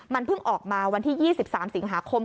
มันเพิ่งออกมาวันที่๒๓สิงหาคม